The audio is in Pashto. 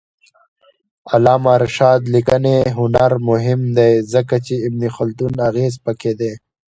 د علامه رشاد لیکنی هنر مهم دی ځکه چې ابن خلدون اغېز پکې دی.